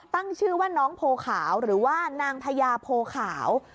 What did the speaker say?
ตั้งชื่อว่าน้องโพขาวหรือว่านางพญาโพขาว